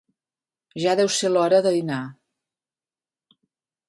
Ja deu seu l'hora de dinar.